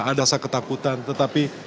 ada asal ketakutan tetapi